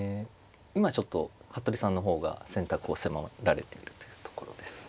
今ちょっと服部さんの方が選択を迫られているというところです。